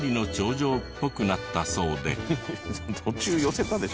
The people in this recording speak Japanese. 途中寄せたでしょ。